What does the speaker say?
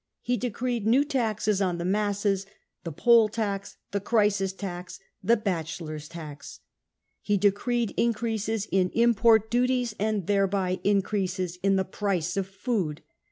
He decreed new taxes on the masses ; the poll tax, the crisis tax, the bachelors tax. Pie decreed increases in import duties, and thereby increases in the price of food.